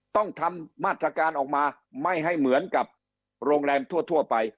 ต้องทำมาตรการออกมาไม่ให้เหมือนกับโรงแรมทั่วไป